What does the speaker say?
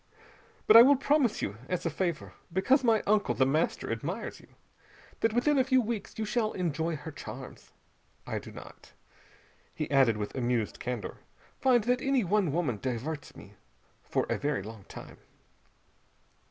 But I will promise you as a favor, because my uncle The Master admires you, that within a few weeks you shall enjoy her charms. I do not," he added with amused candor, "find that any one woman diverts me for a very long time."